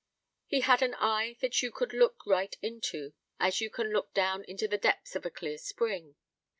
He had an eye that you could look right into, as you can look down into the depths of a clear spring.